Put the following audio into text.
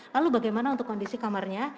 lalu bagaimana untuk kondisi kamarnya